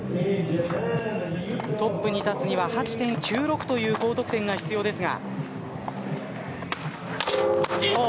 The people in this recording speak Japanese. トップに立つには８．９６という高得点が必要ですが。